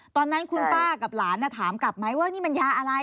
ตอนนั้นคุณป้ากับหลานถามกลับไหมว่านี่มันยาอะไร